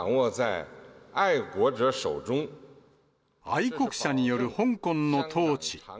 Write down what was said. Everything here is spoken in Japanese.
愛国者による香港の統治。